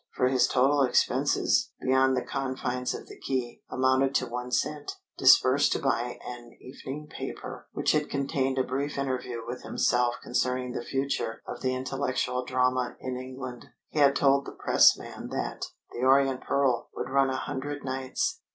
For his total expenses, beyond the confines of the quay, amounted to one cent, disbursed to buy an evening paper which had contained a brief interview with himself concerning the future of the intellectual drama in England. He had told the press man that "The Orient Pearl" would run a hundred nights.